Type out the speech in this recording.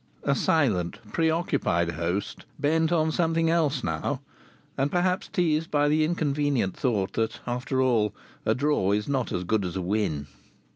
A silent, preoccupied host, bent on something else now, and perhaps teased by the inconvenient thought that after all a draw is not as good as a win!